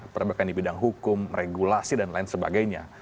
pertama sekali di bidang hukum regulasi dan lain sebagainya